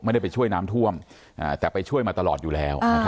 ไม่ได้ไปช่วยน้ำท่วมแต่ไปช่วยมาตลอดอยู่แล้ว